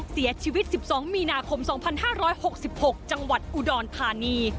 เสียชีวิต๑๒มีนาคม๒๕๖๖จังหวัดอุดรธานี